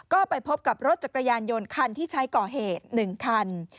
ก็ไปพบกับรถจักรยานยนต์คันที่ใช้ก่อเหตุ๑คัน